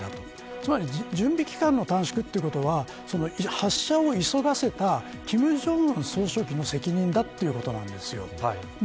つまり準備期間の短縮ということは発射を急がせた金正恩総書記の責任だ、ということなんですよ。